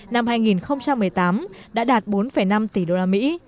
năm hai nghìn một mươi tám đã đạt bốn năm tỷ đô la mỹ